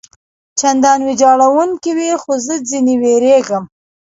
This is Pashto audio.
چندان ویجاړوونکي وي، خو زه ځنې وېرېږم.